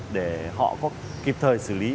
để họ có kịp thời xử lý